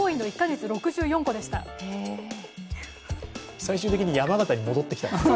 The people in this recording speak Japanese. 最終的に山形に戻ってきたんですね。